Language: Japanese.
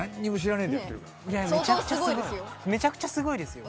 めちゃくちゃすごいですよ。